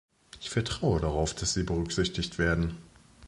Ich vertraue darauf, dass sie berücksichtigt werden.